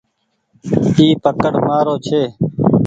اي پڪڙ مآرو ڇي ۔